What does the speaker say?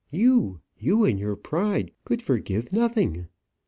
You you in your pride, could forgive nothing!"